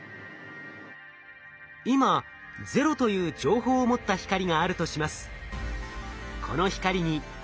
今「０」という情報を持った光があるとします。